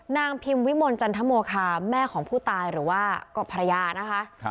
นางพิมวิมลจันทโมคาแม่ของผู้ตายหรือว่าก็ภรรยานะคะ